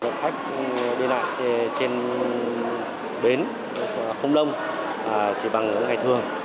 lượng khách đi lại trên bến không lông chỉ bằng ngày thường